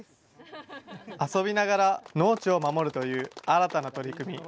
遊びながら農地を守るという新たな取り組み。